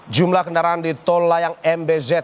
jumlah kendaraan di tol layang mbz